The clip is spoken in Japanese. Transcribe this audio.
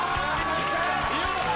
よし！